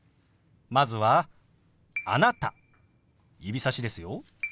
まずは「あなた」指さしですよ。